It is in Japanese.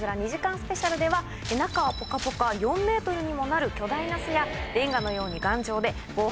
ＳＰでは中はポカポカ４ｍにもなる巨大な巣やれんがのように頑丈で。